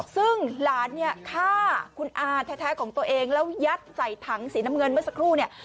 ซึ่งหลานเนี่ยฆ่าคุณอาแท้ของตัวเองแล้วยัดใส่ถังสีน้ำเงินเมื่อสักครู่เนี่ย